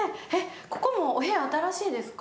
ここも、お部屋、新しいですか。